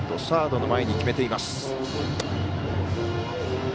サードの前に決めています。